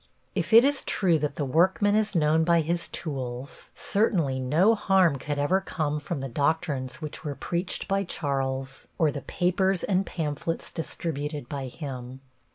If it is true that the workman is known by his tools, certainly no harm could ever come from the doctrines which were preached by Charles or the papers and pamphlets distributed by him.